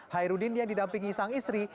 hairudin yang didampingi sang istri